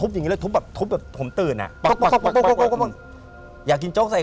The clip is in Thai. ผมว่า